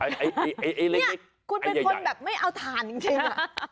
นี่คุณเป็นคนแบบไม่เอาถ่านจริง